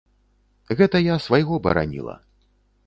Гэта я свайго бараніла.